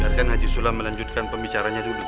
biarkan haji sula melanjutkan pembicaranya dulu